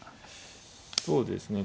そうですね。